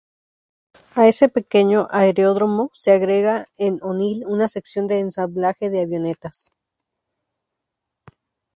A ese pequeño aeródromo se agrega en Onil una sección de ensamblaje de avionetas.